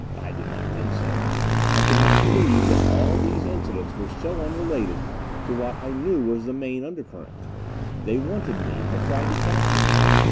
I did not think so. I could not believe that all these incidents were so unrelated to what I knew was the main undercurrent. They wanted me, had tried to capture me.